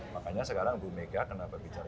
makanya sekarang bumega kenapa bicara